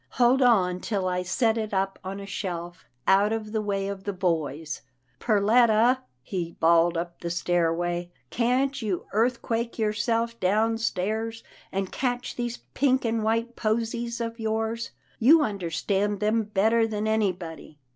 Hold on till I set it up on a shelf, out of the way of the boys — Perletta," he bawled up the stairway, " can't you earthquake yourself downstairs, and catch these pink and white posies of yours? You understand them better than anybody."